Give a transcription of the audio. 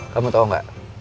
kamu tau gak